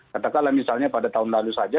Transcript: katakanlah misalnya pada tahun lalu saja